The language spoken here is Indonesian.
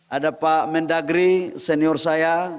ada pak mendagri senior saya